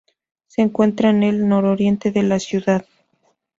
Se encuentra en el nororiente de la ciudad.